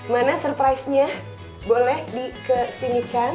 mana surprise nya boleh dikesimikan